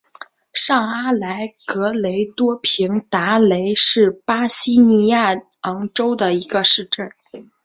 上阿莱格雷多平达雷是巴西马拉尼昂州的一个市镇。